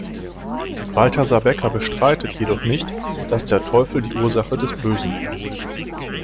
Balthasar Bekker bestreitet jedoch nicht, dass der "Teufel die Ursache des Bösen" ist.